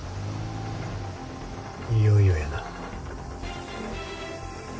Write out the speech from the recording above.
いよいよやな。